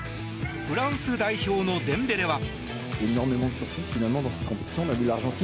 フランス代表のデンベレは。